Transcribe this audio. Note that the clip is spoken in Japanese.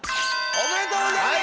ありがとうございます。